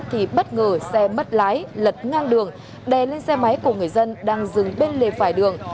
thì bất ngờ xe mất lái lật ngang đường đè lên xe máy của người dân đang dừng bên lề phải đường